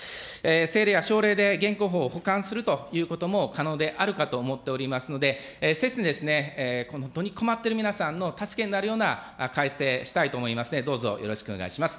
政令や省令で現行法を補完するということも可能であるかと思っておりますので、せつに本当に困っている皆さんの助けになるような改正をしたいと思いますので、どうぞよろしくお願いします。